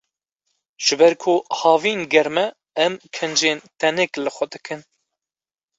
Ji ber ku havîn germ e, em kincên tenik li xwe dikin.